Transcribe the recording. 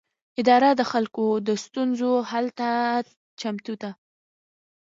اداره د خلکو د ستونزو حل ته چمتو ده.